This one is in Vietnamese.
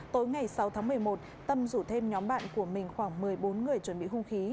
tối ngày sáu tháng một mươi một tâm rủ thêm nhóm bạn của mình khoảng một mươi bốn người chuẩn bị hung khí